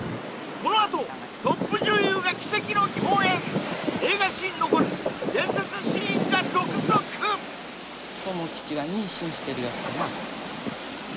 このあとトップ女優が奇跡の共演映画史に残る伝説シーンが続々巴吉は妊娠してるよってな